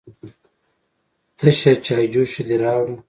_تشه چايجوشه دې راوړه؟